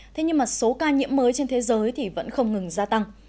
thế nhưng mà số ca nhiễm mới trên thế giới thì vẫn không ngừng gia tăng